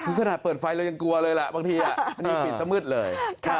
ก็ด่าเปิดไฟเรายังกลัวเลยแหละบางทีนี่ปิดตะมืดเลย